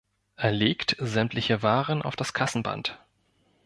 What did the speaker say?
Er legt sämtliche Waren auf das Kassenband.